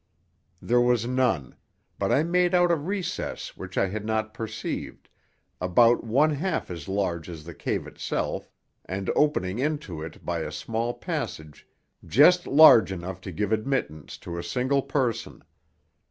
There was none, but I made out a recess which I had not perceived, about one half as large as the cave itself, and opening into it by a small passage just large enough to give admittance to a single person.